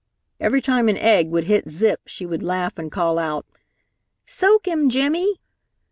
Every time an egg would hit Zip, she would laugh and call out, "Soak him, Jimmy!"